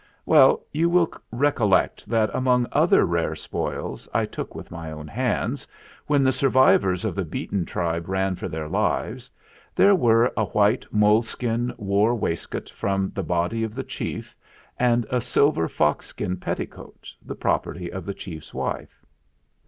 "Well, you will recollect that among other rare spoils I took with my own hands, when the survivors of the beaten tribe ran for their lives, there were a white mole skin war waistcoat from the body of the chief and a silver fox skin petticoat the property of the chief's wife